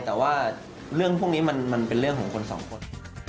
แต่ว่าเรื่องพวกนี้มันเป็นเรื่องของคนสองคน